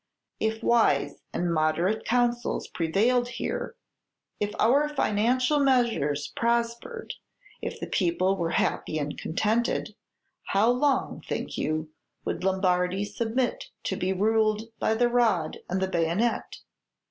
If wise and moderate counsels prevailed here, if our financial measures prospered, if the people were happy and contented, how long, think you, would Lombardy submit to be ruled by the rod and the bayonet?